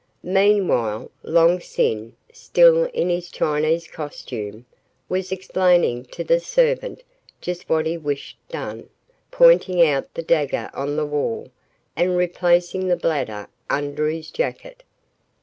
Meanwhile, Long Sin, still in his Chinese costume, was explaining to the servant just what he wished done, pointing out the dagger on the wall and replacing the bladder under his jacket.